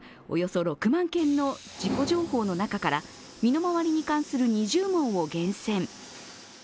およそ６万件の事故情報の中から身の回りに関する２０問を厳選。